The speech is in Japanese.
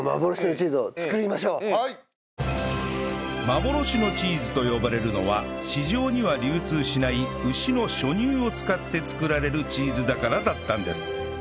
幻のチーズと呼ばれるのは市場には流通しない牛の初乳を使って作られるチーズだからだったんです